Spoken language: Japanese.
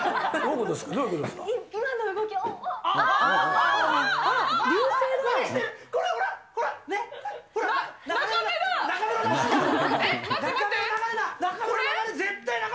どういうことですか？